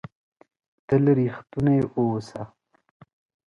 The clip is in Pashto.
تل ریښتونی اووسه!